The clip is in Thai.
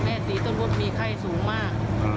แม่สายต้นบนมีไข่สูงมาก